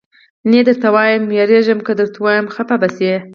نه یې درته وایم، وېرېږم که یې درته ووایم خفه به شې.